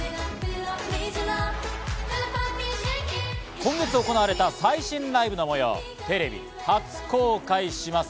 今月行われた最新ライブの模様をテレビ初公開します。